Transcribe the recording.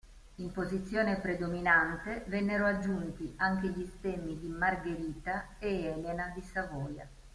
In posizione predominante vennero aggiunti anche gli stemmi di Margherita e Elena di Savoia.